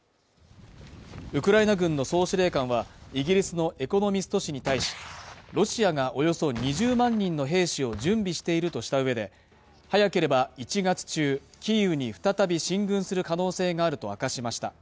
ウクライナ軍の総司令官はイギリスの「エコノミスト」誌に対しロシアがおよそ２０万人の兵士を準備しているとしたうえで早ければ１月中キーウに再び進軍する可能性があると明かしました